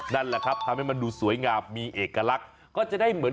นั่นแหละครับทำให้มันดูสวยงามมีเอกลักษณ์ก็จะได้เหมือน